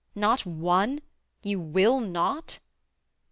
Not one? You will not?